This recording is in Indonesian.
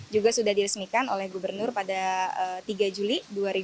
masjid amir hamzah diresmikan oleh gubernur pada tiga juli dua ribu dua puluh